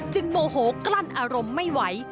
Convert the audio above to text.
โมโหกลั้นอารมณ์ไม่ไหว